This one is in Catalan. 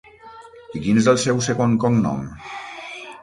I quin és el seu segon cognom?